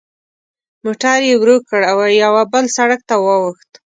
موټر یې ورو کړ او یوه بل سړک ته واوښت.